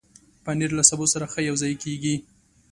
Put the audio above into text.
پنېر له سبو سره ښه یوځای کېږي.